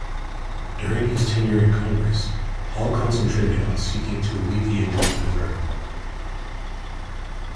During his tenure in Congress, Hall concentrated on seeking to alleviate world hunger.